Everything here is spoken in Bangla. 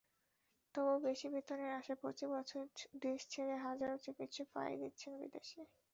তবু বেশি বেতনের আশায় প্রতিবছর দেশ ছেড়ে হাজারো চিকিত্সক পাড়ি দিচ্ছেন বিদেশে।